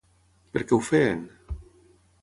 Per què ho feien?